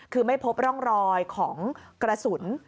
คือไม่พบร่องรอยของกระสุน